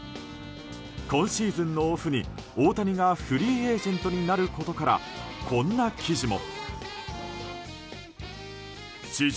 今シーズンのオフに、大谷がフリーエージェントになることからこんな記事も。